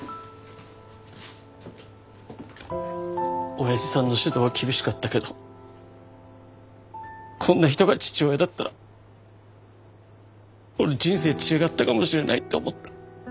おやじさんの指導は厳しかったけどこんな人が父親だったら俺人生違ったかもしれないって思った。